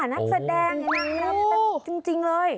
นักแสดงอย่างนี้จริงเลย